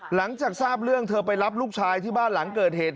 หลังจากทราบเรื่องเธอไปรับลูกชายที่บ้านหลังเกิดเหตุ